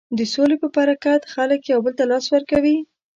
د سولې په برکت خلک یو بل ته لاس ورکوي.